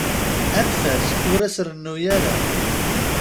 Anef-as, ur as-rennu ara.